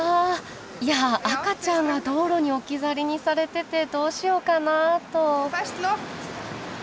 いや赤ちゃんが道路に置き去りにされててどうしようかなと。